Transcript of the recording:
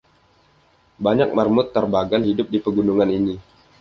Banyak marmut Tarbagan hidup di pegunungan ini.